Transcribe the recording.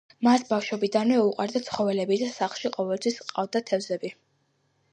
მას ბავშვობიდანვე უყვარდა ცხოველები და სახლში ყოველთვის ჰყავდა თევზები.